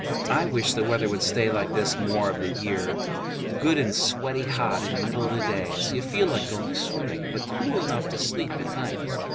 I wish the weather would stay like this more of the year—good and sweaty hot in the middle of the day, so you feel like going swimming, but cool enough to sleep at night.